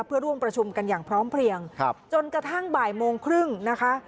เพื่อร่วมประชุมกันอย่างพร้อมเพลียงจนกระทั่งบ่ายโมงครึ่งนะคะ